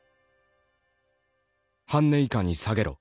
「半値以下に下げろ」